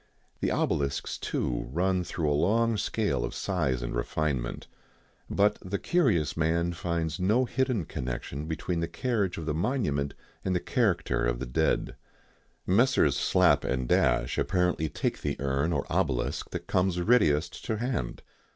The obelisks, too, run through a long scale of size and refinement. But the curious man finds no hidden connection between the carriage of the monument and the character of the dead. Messrs. Slap & Dash apparently take the urn or obelisk that comes readiest to hand.